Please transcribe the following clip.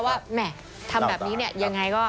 แหม่ทำแบบนี้เนี่ยยังไงก็